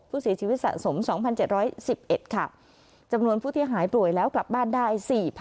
ผู้เสียชีวิตสะสม๒๗๑๑ค่ะจำนวนผู้ที่หายป่วยแล้วกลับบ้านได้๔๐๐